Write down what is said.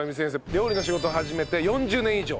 料理の仕事を始めて４０年以上。